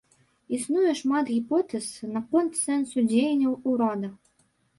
Існуе шмат гіпотэз наконт сэнсу дзеянняў урада.